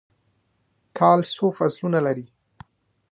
کال څو فصلونه لري؟